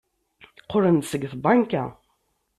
Qqlen-d seg tbanka.